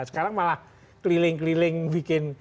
sekarang malah keliling keliling bikin